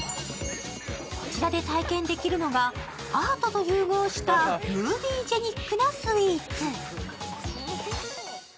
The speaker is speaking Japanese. こちらで体験できるのが、アートと融合したムービージェニックなスイーツ。